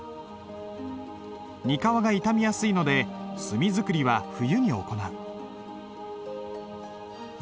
膠が傷みやすいので墨作りは冬に行う。